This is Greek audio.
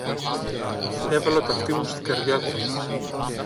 Έβαλα το αυτί μου στην καρδιά του